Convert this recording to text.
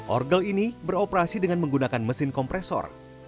orgel ini beroperasi dengan menggunakan mesin kompresor